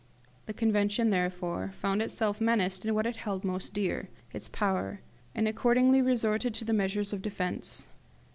The Convention, therefore, found itself menaced in what it held most dear its power; and accordingly resorted to measures of defence.